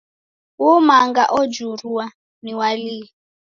Uu manga ojurua, ni wa lii?